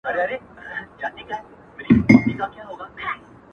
څو اوښان لرې څو غواوي څو پسونه،